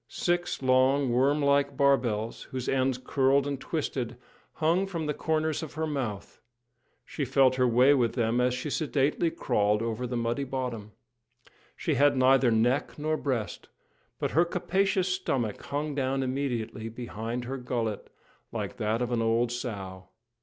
Six long, worm like barbels, whose ends curled and twisted, hung from the corners of her mouth; she felt her way with them as she sedately crawled over the muddy bottom. She had neither neck nor breast, but her capacious stomach hung down immediately behind her gullet, like that of an old sow.